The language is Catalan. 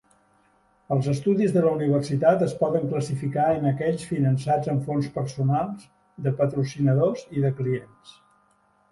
Els estudis de la universitat es poden classificar en aquells finançats amb fons personals, de patrocinadors i de clients.